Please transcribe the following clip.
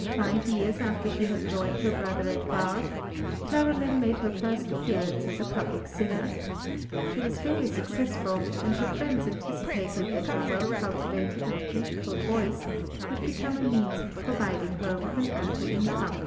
Five years after she had joined her brother at Bath, Caroline made her first appearance as a public singer. She was very successful, and her friends anticipated that her well cultivated and beautiful voice would become a means of providing her with an ample income.